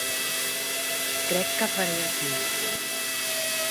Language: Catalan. Crec que faré aquella.